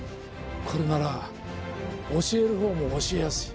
これなら教える方も教えやすい。